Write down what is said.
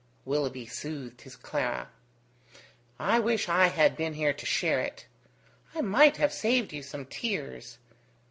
Willoughby soothed his Clara. "I wish I had been here to share it. I might have saved you some tears.